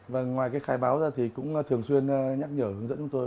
và ngoài cái khai báo ra thì cũng thường xuyên nhắc nhở hướng dẫn chúng tôi